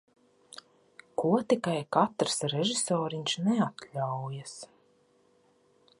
Ko tikai katrs režisoriņš neatļaujas!